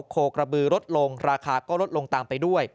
โคกระบือลดลงราคาก็ลดลงตามไปด้วย